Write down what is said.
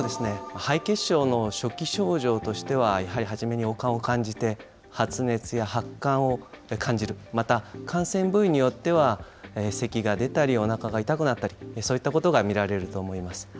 敗血症の初期症状としては、やはり初めに悪寒を感じて、発熱や発汗を感じる、また感染部位によっては、せきが出たりおなかが痛くなったり、そういったことが見られると思います。